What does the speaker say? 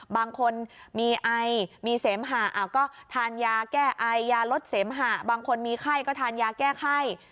บางคนมีไอมีเสมหะก็ทานยาแก้ไอยาลดเสมหะบางคนมีไข้ก็ทานยาแก้ไข้